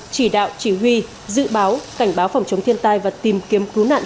chỉ đạo chỉ huy dự báo cảnh báo phòng chống thiên tai và tìm kiếm cứu nạn